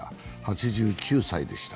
８９歳でした。